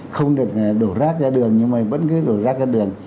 không được đổ rác ra đường nhưng mà vẫn cứ đổ rác ra đường